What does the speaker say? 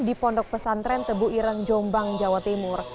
di pondok pesantren tebuiran jombang jawa timur